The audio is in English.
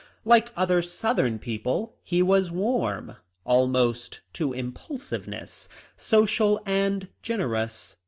Like other Southern peo ple he was warm, — almost to impulsiveness, — social, and generous.